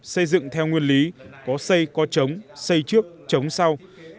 xây dựng theo nguyên lý có xây có trống xây trước chống sau